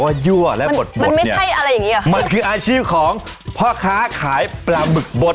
มันยั่วและบดเนี่ยมันคืออาชีพของพ่อค้าขายปลาบึกบด